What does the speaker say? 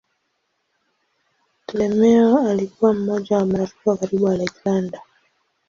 Ptolemaio alikuwa mmoja wa marafiki wa karibu wa Aleksander.